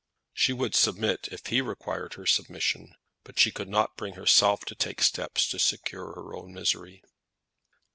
She would submit, if he required her submission; but she could not bring herself to take steps to secure her own misery.